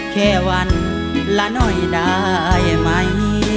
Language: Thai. แค่วันละหน่อยได้ไหม